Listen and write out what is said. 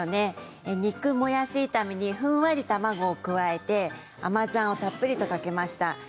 肉もやし炒めにふんわりと卵を加えて甘酢あんをたっぷりとかけました。